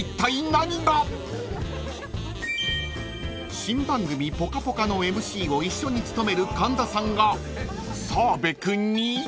［新番組『ぽかぽか』のＭＣを一緒に務める神田さんが澤部君に］